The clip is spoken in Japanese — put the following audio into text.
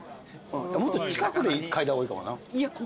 もっと近くで嗅いだ方がいいかもな。